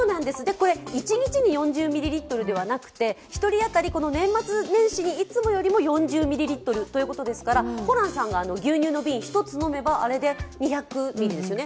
一日に４０ミリリットルではなくて、一人当たり、年末年始、いつもよりも４０ミリリットルということですからホランさんが牛乳の瓶１つ飲めばあれで２００ミリですよね